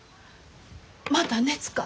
また熱か？